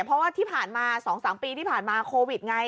เพราะว่าที่ผ่านมา๒๓ปีที่ผ่านมาโควิดไง